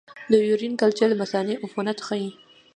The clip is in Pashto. د یورین کلچر د مثانې عفونت ښيي.